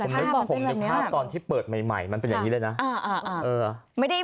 ผมนึกภาพตอนที่เปิดใหม่มันเป็นอย่างนี้เลยนะ